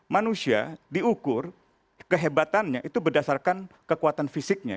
manusia diukur kehebatannya itu berdasarkan kekuatan fisiknya